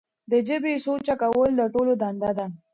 د ژبې سوچه کول د ټولو دنده ده.